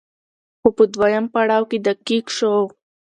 خو په دويم پړاو کې دقيق شو